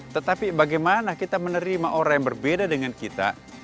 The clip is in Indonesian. tetapi bagaimana kita menerima orang yang berbeda dengan kita